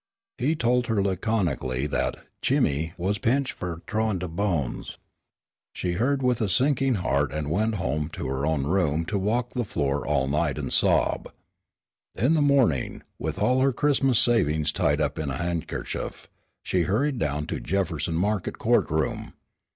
He told her laconically that "Chimmie was pinched fur t'rowin' de bones." She heard with a sinking heart and went home to her own room to walk the floor all night and sob. In the morning, with all her Christmas savings tied up in a handkerchief, she hurried down to Jefferson Market court room.